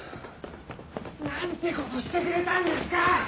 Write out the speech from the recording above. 何てことしてくれたんですか！